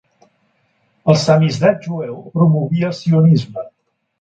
El samizdat jueu promovia el sionisme.